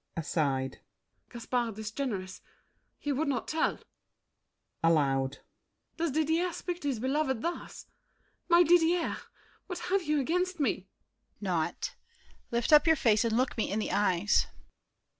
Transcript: [Aside.] Gaspard is generous: he would not tell. [Aloud.] Does Didier speak to his beloved thus? My Didier, what have you against me? DIDIER. Naught. Lift up your face and look me in the eyes.